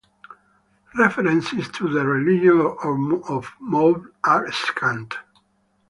References to the religion of Moab are scant.